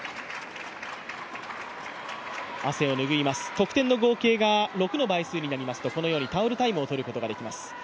得点の合計が６の倍数になりますと、タオルタイムを取ることができます。